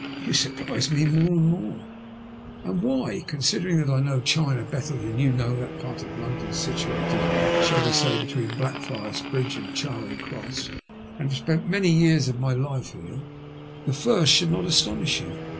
*' You surprise me more and more ^"And why ? Considering that I know China better than you know that part of London situated, shall we say, between Blackfriars Bridge and Charing Cross, and have spent many years of my life here, the first should not astonish you.